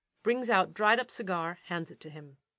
[_Brings out dried up cigar, hands it to him.